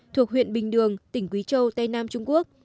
thuộc huyện bình đường tỉnh quý châu tây nam trung quốc